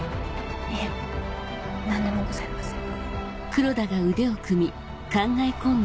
いえ何でもございません。